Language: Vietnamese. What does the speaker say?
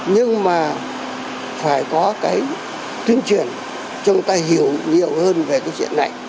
nhưng mà phải có cái tuyên truyền cho người ta hiểu nhiều hơn về cái chuyện này